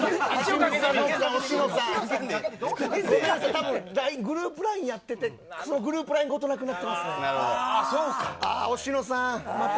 多分グループＬＩＮＥやっててグループＬＩＮＥごとなくなってるんです。